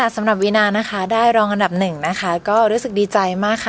สำหรับวีนานะคะได้รองอันดับหนึ่งนะคะก็รู้สึกดีใจมากค่ะ